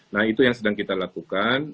nah itu yang sedang kita lakukan